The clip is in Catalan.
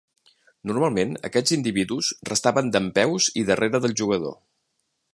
Normalment, aquests individus restaven dempeus i darrere del jugador.